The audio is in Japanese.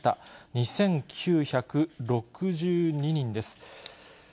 ２９６２人です。